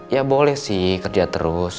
ya boleh sih kerja terus